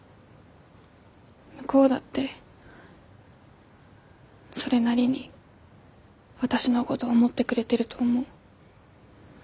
向こうだってそれなりに私のごど思ってくれてると思う。